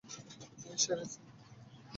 এই, সেরেছে!